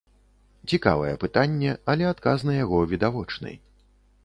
Цікавае пытанне, але адказ на яго відавочны.